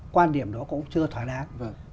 quan điểm đó cũng chưa thỏa đáng